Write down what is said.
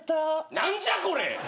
何じゃこれ！